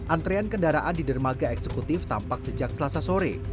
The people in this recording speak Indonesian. antrean kendaraan di dermaga eksekutif tampak sejak selasa sore